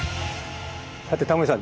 さてタモリさん